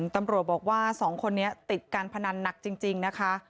ตำรวจบอกว่า๒คนนี้ติดการพนันหนักจริงนะคะ